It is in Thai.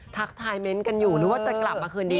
ทักทายเม้นต์กันอยู่นึกว่าจะกลับมาคืนดี